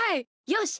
よし！